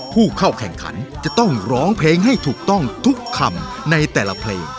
ผู้เข้าแข่งขันจะต้องร้องเพลงให้ถูกต้องทุกคำในแต่ละเพลง